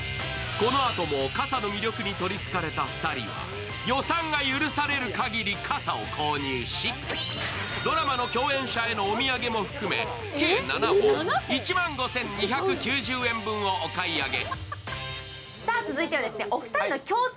このあとも傘の魅力に取りつかれた２人は予算が許される限り傘を購入し、ドラマの共演者へのお土産を含め計１万５２９０円分をお買い上げ。